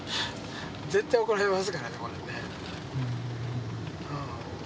絶対怒られますからね。